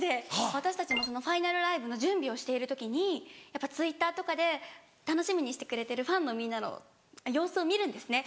私たちもそのファイナルライブの準備をしている時にやっぱＴｗｉｔｔｅｒとかで楽しみにしてくれてるファンのみんなの様子を見るんですね。